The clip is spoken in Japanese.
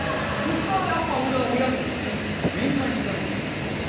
そしたらやっぱ俺は親として面会に行かないといけないじゃん。